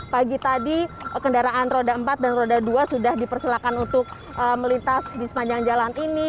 pagi tadi kendaraan roda empat dan roda dua sudah dipersilakan untuk melintas di sepanjang jalan ini